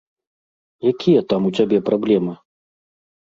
Якія там у цябе праблемы?